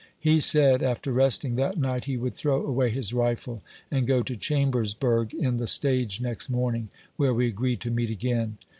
He said, after resting that night, he would throw away his rifle, and go to Chambersburg in the stage next morning, where we agreed to meet again.